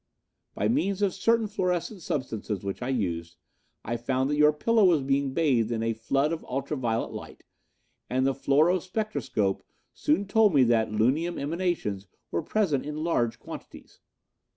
"By means of certain fluorescent substances which I used, I found that your pillow was being bathed in a flood of ultra violet light, and the fluoro spectroscope soon told me that lunium emanations were present in large quantities.